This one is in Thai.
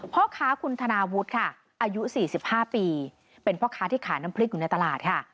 พ่อค้าคุณธนาวุฒิค่ะอายุ๔๕ปีเป็นพ่อค้าที่ขายน้ำพริกอยู่ในตลาดค่ะ